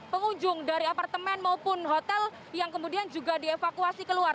pengunjung dari apartemen maupun hotel yang kemudian juga dievakuasi keluar